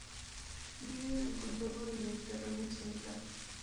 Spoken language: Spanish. Vive en el contorno del mediterráneo occidental.